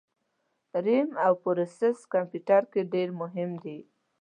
رېم او پروسیسر کمپیوټر کي ډېر مهم دي